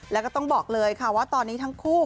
แล้วก็ต้องบอกเลยค่ะว่าตอนนี้ทั้งคู่